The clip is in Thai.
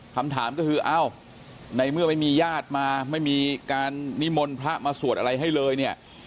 คำถามก็คือเอ้าในเมื่อไม่มีญาติมาไม่มีการนิมนต์พระมาสวดอะไรให้เลยเนี่ย